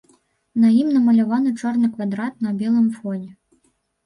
На ім намаляваны чорны квадрат на белым фоне.